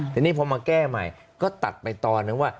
ทีนี้พอมาแก้ใหม่ก็ตัดไปตอนนึงว่า